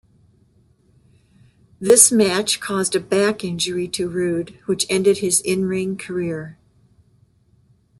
This match caused a back injury to Rude, which ended his in-ring career.